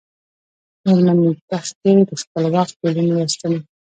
مېرمن نېکبختي د خپل وخت علوم لوستلي ول.